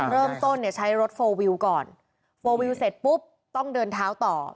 เริ่มต้นเนี่ยใช้รถโฟลวิวก่อนโฟลวิวเสร็จปุ๊บต้องเดินเท้าต่อ